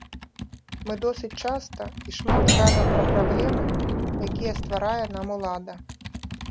Мы досыць часта і шмат кажам пра праблемы, якія стварае нам улада.